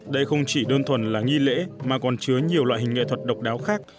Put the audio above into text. đây không chỉ đơn thuần là nghi lễ mà còn chứa nhiều loại hình nghệ thuật độc đáo khác